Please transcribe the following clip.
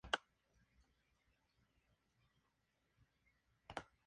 Se encuentra en el Atlántico occidental: las Bahamas.